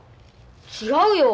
違うよ。